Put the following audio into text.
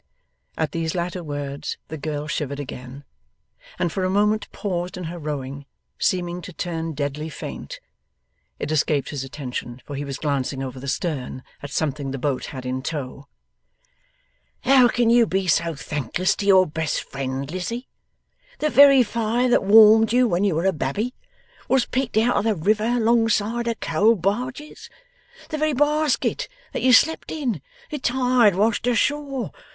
At these latter words the girl shivered again, and for a moment paused in her rowing, seeming to turn deadly faint. It escaped his attention, for he was glancing over the stern at something the boat had in tow. 'How can you be so thankless to your best friend, Lizzie? The very fire that warmed you when you were a babby, was picked out of the river alongside the coal barges. The very basket that you slept in, the tide washed ashore.